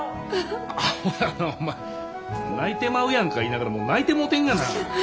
アホやなお前泣いてまうやんか言いながらもう泣いてもうてんがな。